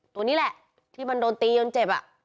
ตัวนี้แหละที่มันโดนตีจนเจ็บ